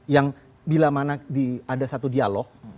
yang bila mana ada satu dialog